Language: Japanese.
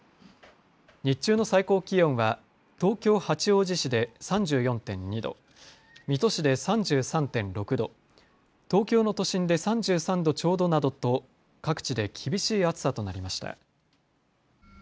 日中の最高気温は東京八王子市で３４．２度、水戸市で３３．６度、東京の都心で３３度ちょうどなどと各地で厳しい暑さとなりました。